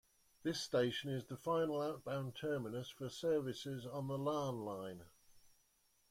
This station is the final outbound terminus for services on the Larne Line.